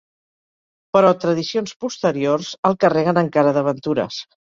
Però tradicions posteriors el carreguen encara d'aventures.